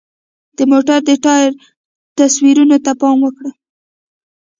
د موټر د ټایر تصویرو ته پام وکړئ.